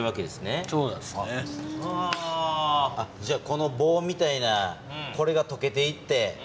じゃあこのぼうみたいなこれがとけていって。